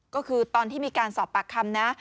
ก็คือตอนที่มีการสอบปากคำนะ